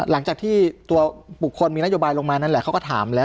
หลังจากที่ตัวบุคคลมีนโยบายลงมานั่นแหละเขาก็ถามแล้ว